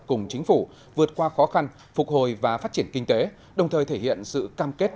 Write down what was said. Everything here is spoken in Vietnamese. cùng chính phủ vượt qua khó khăn phục hồi và phát triển kinh tế đồng thời thể hiện sự cam kết